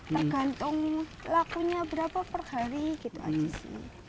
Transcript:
tergantung lakunya berapa per hari gitu aja sih